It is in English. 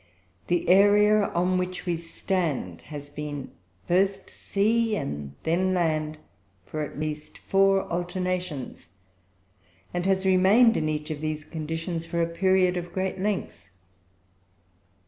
The area on which we stand has been first sea and then land, for at least four alternations; and has remained in each of these conditions for a period of great length.